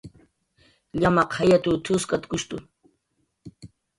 "Llamaq jayat""w t""uskatkushtu"